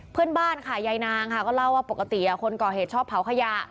เพื่อนบ้านค่ะยายนางค่ะก็เล่าว่าปกติคนก่อเหตุชอบเผาขยะ